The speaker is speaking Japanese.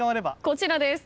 こちらです。